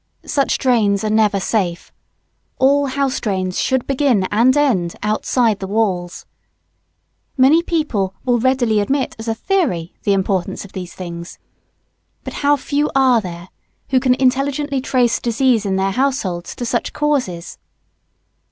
Such drains are never safe. All house drains should begin and end outside the walls. Many people will readily admit, as a theory, the importance of these things. But how few are there who can intelligently trace disease in their households to such causes!